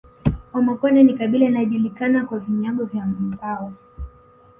Wamakonde ni kabila inayojulikana kwa vinyago vya mbao